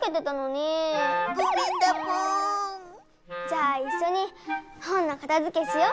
じゃあいっしょに本のかたづけしよ！